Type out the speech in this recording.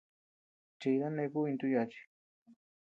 Chida neʼe kuʼuy ntú yachi.